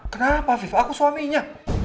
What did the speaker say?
kenapa viva aku suaminya